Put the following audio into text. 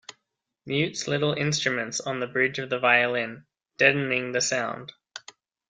Mutes little instruments on the bridge of the violin, deadening the sound.